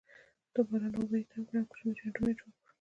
د باران اوبه یې تم کړې او کوچني ډنډونه یې جوړ کړل.